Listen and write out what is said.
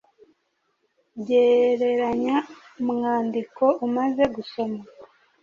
Gereranya umwandiko umaze gusoma